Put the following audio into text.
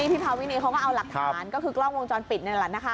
นี่พี่พาวินิเขาก็เอาหลักฐานก็คือกล้องวงจรปิดในรถนะคะ